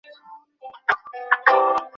হায় হায় রে!